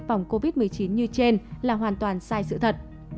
phòng covid một mươi chín như trên là hoàn toàn sai sự thật